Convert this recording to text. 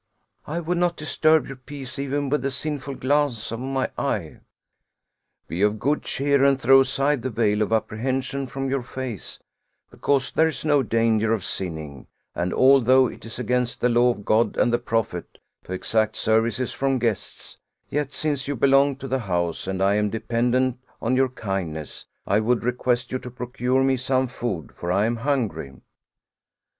" I would not disturb your peace even with the sinful glance of my eye. " Be of good cheer and throw aside the veil of appre hension from your face, because there is no danger of sinning; and although it is against the law of God and the Prophet to exact services from guests, yet since you belong to the house and I am dependent on your kindness, I would request you to procure me some food, for I am hungry."